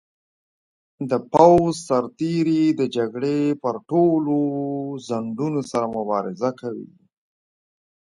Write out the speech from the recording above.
د پوځ سرتیري د جګړې پر ټولو ځنډونو سره مبارزه کوي.